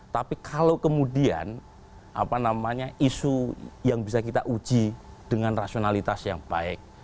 tapi kalau kemudian apa namanya isu yang bisa kita uji dengan rasionalitas yang baik